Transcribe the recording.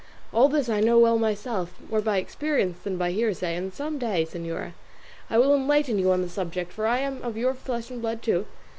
All this I know well myself, more by experience than by hearsay, and some day, señora, I will enlighten you on the subject, for I am of your flesh and blood too.